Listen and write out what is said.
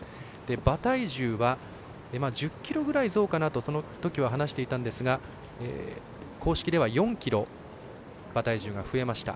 馬体重は１０ｋｇぐらい増かなとそのときは話していましたが公式では４ｋｇ馬体重が増えました。